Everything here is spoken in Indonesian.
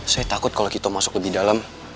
saya takut kalau kito masuk lebih dalam